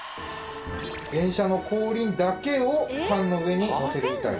電車の後輪だけを缶の上に乗せるみたいです。